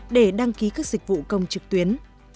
để đăng ký các dịch vụ công trực tuyến